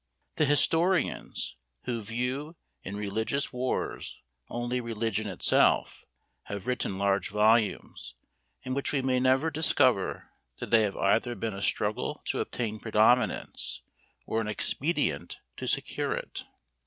The historians, who view in religious wars only religion itself, have written large volumes, in which we may never discover that they have either been a struggle to obtain predominance, or an expedient to secure it.